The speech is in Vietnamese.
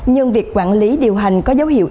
nhưng việc quản lý điều hành có dấu hiệu